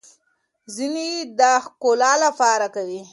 ځينې دا د ښکلا لپاره کوي.